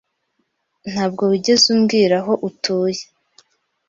Ntabwo wigeze umbwira aho utuye.